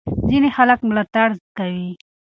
ځینې خلک ملاتړ کوي.